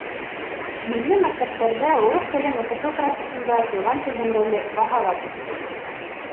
Милли мәктәптәрҙә урыҫ телен уҡытыу процесында туған телдең роле баһалап бөткөһөҙ.